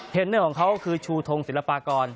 เทนนั่นของเขาคือชูทงศิลปากร